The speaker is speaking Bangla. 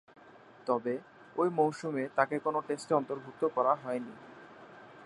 তবে, ঐ মৌসুমে তাকে কোন টেস্টে অন্তর্ভুক্ত করা হয়নি।